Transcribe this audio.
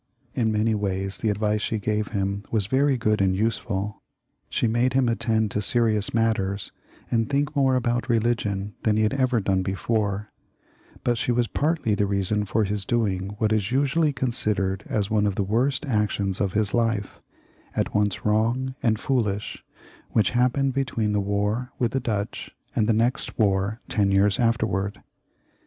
In many ways the advice she gave him was very good and useful ; she made him attend to serious matters, and think more about religion than he had ever done before ; but she was partly the reason of his doing what is usually considered as one of the worst actions of his life — at once wrong and foolish — which happened between the war with the Dutch and the next war ten years afterwards.